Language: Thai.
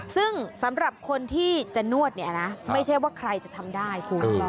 ซึ่งสำหรับคนที่จะนวดเนี่ยนะไม่ใช่ว่าใครจะทำได้คุณ